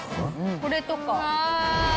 これとか。